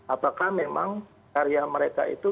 apakah memang karya mereka itu